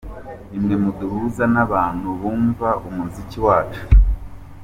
Ni mwe muduhuza n’abantu bumva umuziki wacu.